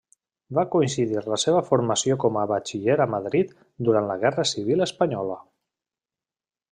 Va coincidir la seva formació com a Batxiller a Madrid durant la Guerra Civil Espanyola.